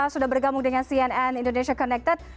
sudah bergabung dengan cnn indonesia connected